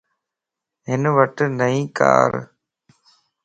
ھن وٽ نئين ڪار